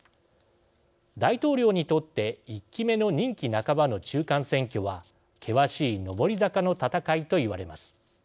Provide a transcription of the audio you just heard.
大統領にとって１期目の任期半ばの中間選挙は険しい上り坂の戦いと言われます。